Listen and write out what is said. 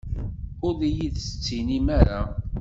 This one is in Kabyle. Ur iyi-d-tettinim ara?